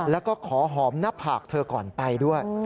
แล้วก็ขอหอมหน้าผากเธอก่อนไปด้วย